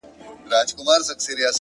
دې لېوني ماحول کي ووايه؛ پر چا مئين يم،